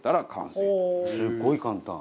すごい簡単。